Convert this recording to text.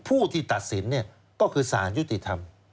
ผู้ที่ตัดสินก็คือสารยุติธรรม